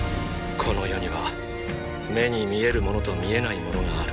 この世には目に見えるものと見えないものがある。